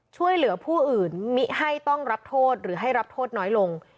ช่วยเหลือผู้อื่นมิให้ต้องรับโทษหรือให้รับโทษน้อยลง